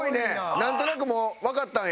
なんとなくもうわかったんや？